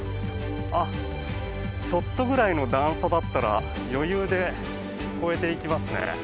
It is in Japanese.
ちょっとぐらいの段差だったら余裕で越えていきますね。